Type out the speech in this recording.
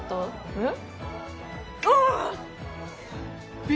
えっ？